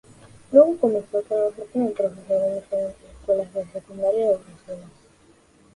Luego comenzó a trabajar como profesor en diferentes escuelas de secundaria de Bruselas.